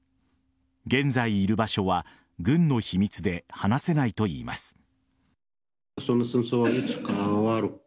現在いる場所は軍の秘密で話せないといいます。